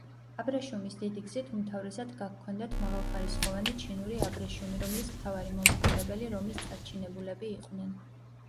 აბრეშუმის დიდი გზით უმთავრესად გაჰქონდათ მაღალხარისხოვანი ჩინური აბრეშუმი, რომლის მთავარი მომხმარებელი რომის წარჩინებულები იყვნენ.